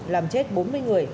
làm chết bốn mươi người